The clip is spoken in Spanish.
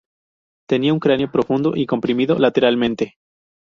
Tenía un cráneo profundo y comprimido lateralmente.